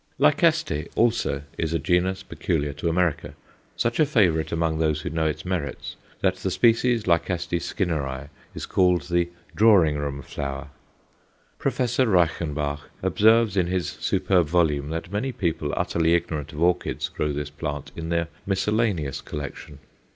Lycaste also is a genus peculiar to America, such a favourite among those who know its merits that the species L. Skinneri is called the "Drawing Room Flower." Professor Reichenbach observes in his superb volume that many people utterly ignorant of orchids grow this plant in their miscellaneous collection.